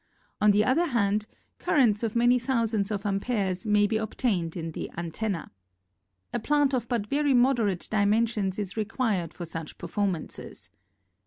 On the other hand currents of many thousands of amperes may be ob tained in the antenna. A plant of but very moderate dimensions is required for such performances.